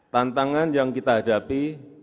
tantangan yang kita hadapi